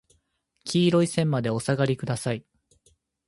黄色い線までお下りください。